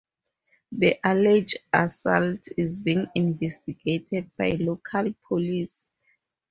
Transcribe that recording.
The alleged assault is being investigated by the local police.